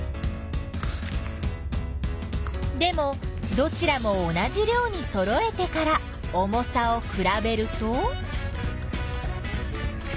でもどちらも同じ量にそろえてから重さをくらべると？